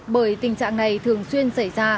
bởi tình trạng này thường xuyên xảy ra